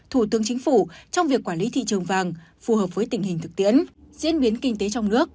thủ tướng chính phủ trong việc quản lý thị trường vàng phù hợp với tình hình thực tiễn diễn biến kinh tế trong nước